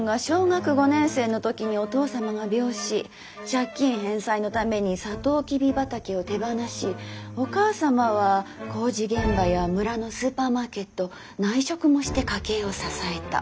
借金返済のためにサトウキビ畑を手放しお母様は工事現場や村のスーパーマーケット内職もして家計を支えた。